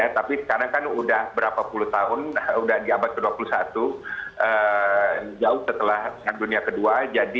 tapi sekarang kan udah berapa puluh tahun sudah di abad ke dua puluh satu jauh setelah dunia kedua